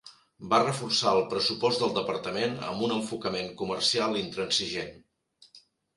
Va reforçar el pressupost del departament amb un enfocament comercial intransigent.